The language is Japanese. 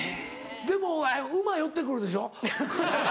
でも馬寄ってくるでしょ。